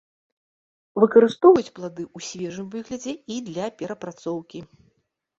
Выкарыстоўваюць плады ў свежым выглядзе і для перапрацоўкі.